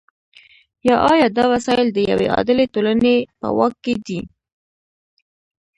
یا آیا دا وسایل د یوې عادلې ټولنې په واک کې دي؟